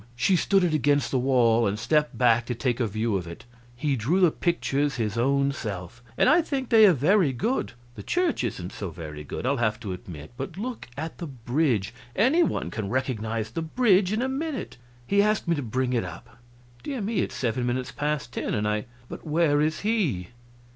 She stood it against the wall, and stepped back to take a view of it. "He drew the pictures his own self, and I think they are very good. The church isn't so very good, I'll have to admit, but look at the bridge any one can recognize the bridge in a minute. He asked me to bring it up.... Dear me! it's seven minutes past ten, and I " "But where is he?"